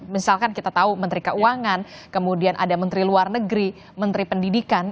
misalkan kita tahu menteri keuangan kemudian ada menteri luar negeri menteri pendidikan